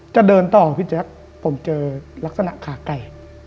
จะเดินต่อพี่แจ๊คผมเจอลักษณะขาไก่